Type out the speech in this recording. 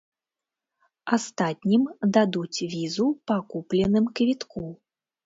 Астатнім дадуць візу па купленым квітку.